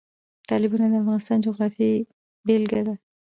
تالابونه د افغانستان د جغرافیې بېلګه ده.